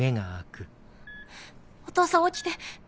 お父さん起きて！